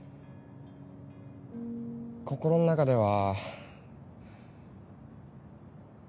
心の中では。